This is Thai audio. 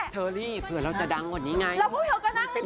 ท่าสั่นไปหมดแล้วแม่